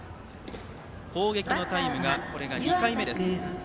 攻撃のタイムはこれで２回目。